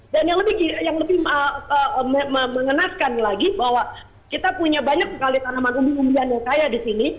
dan yang lebih mengenaskan lagi bahwa kita punya banyak pengalih tanaman umum umumian yang kaya di sini